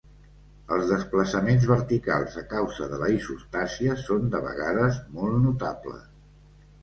Els desplaçaments verticals a causa de la isostàsia són de vegades molt notables.